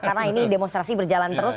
karena ini demonstrasi berjalan terus